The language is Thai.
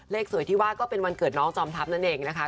สวยที่ว่าก็เป็นวันเกิดน้องจอมทัพนั่นเองนะคะ